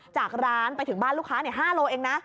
จากร้านไปถึงบ้านลูกค้า๕โลเองนะ